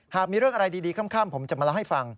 มีเรื่องอะไรดีค่ำผมจะมาเล่าให้ฟัง